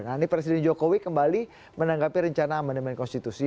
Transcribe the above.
nah ini presiden jokowi kembali menanggapi rencana amandemen konstitusi